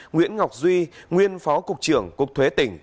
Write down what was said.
nguyễn ngọc duy nguyên phó cục trưởng cục thuế tỉnh